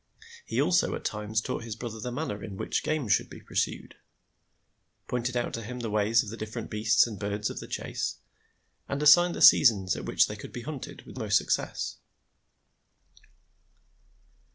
He also at times taught his brother the manner in which game should be pursued, pointed out to him the ways of the different beasts and birds of the chase, and assigned the seasons at which they could be hunted with most success.